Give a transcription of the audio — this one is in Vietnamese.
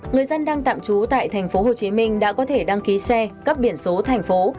người dân đang tạm trú tại tp hcm đã có thể đăng ký xe cấp biển số thành phố